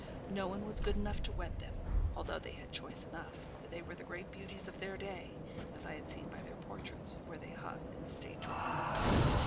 No one was good enough to wed them, although they had choice enough; for they were the great beauties of their day, as I had seen by their portraits, where they hung in the state drawing room.